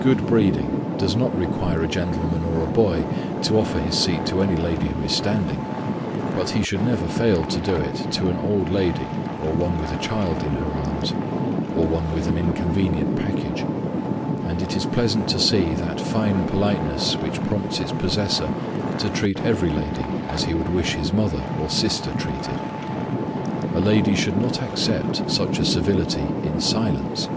Good breeding does not require a gentleman or a boy to offer his seat to any lady who is standing, but he should never fail to do it to an old lady or one with a child in her arms, or one with an inconvenient package; and it is pleasant to see that fine politeness which prompts its possessor to treat every lady as he would wish his mother or sister treated. A lady should not accept such a civility in silence.